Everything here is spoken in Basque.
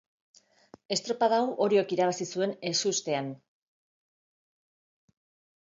Estropada hau Oriok irabazi zuen ezustean.